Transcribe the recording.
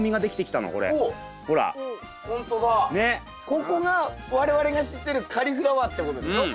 ここが我々が知ってるカリフラワーってことでしょ？